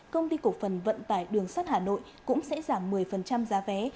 công ty cổ phần vận tải đường sắt hà nội cũng sẽ giảm một mươi giá vé